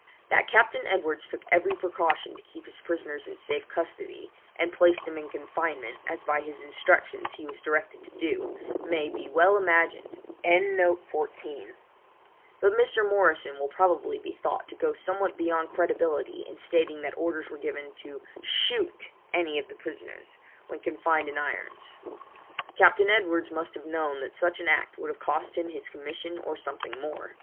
That Captain Edwards took every precaution to keep his prisoners in safe custody, and place them in confinement, as by his instructions he was directed to do, may be well imagined, but Mr. Morrison will probably be thought to go somewhat beyond credibility in stating that orders were given 'to shoot any of the prisoners,' when confined in irons. Captain Edwards must have known that such an act would have cost him his commission or something more.